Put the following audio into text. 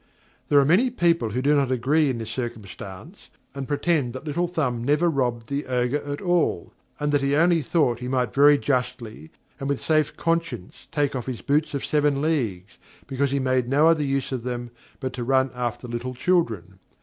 There are many people who do not agree in this circumstance, and pretend that Little Thumb never robbed the Ogre at all, and that he only thought he might very justly, and with safe conscience take off his boots of seven leagues, because he made no other use of them, but to run after little children.